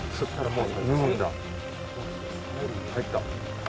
入った。